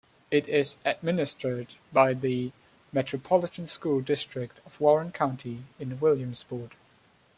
It is administered by the Metropolitan School District of Warren County in Williamsport.